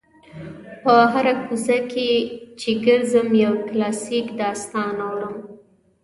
په هره کوڅه کې چې ګرځم یو کلاسیک داستان اورم.